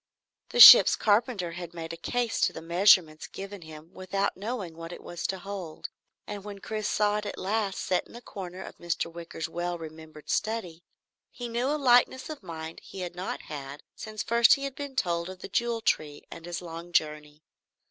The ship's carpenter had made a case to measurements given him without knowing what it was to hold, and when Chris saw it at last set in a corner of Mr. Wicker's well remembered study, he knew a lightness of mind he had not had since first he had been told of the Jewel Tree and his long journey.